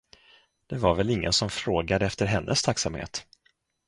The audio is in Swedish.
Det var väl ingen som frågade efter hennes tacksamhet.